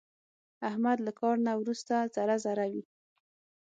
احمد له کار نه ورسته ذره ذره وي.